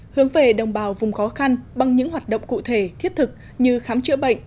hướng về đồng bào vùng khó khăn bằng những hoạt động cụ thể thiết thực như khám chữa bệnh